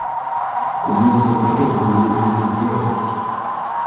Comienza tratando de encontrarlos.